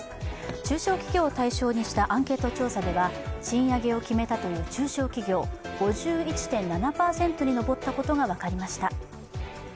中小企業を対象にしたアンケート調査では賃上げを決めたという中小企業５１．７％に上ったことが分かりました。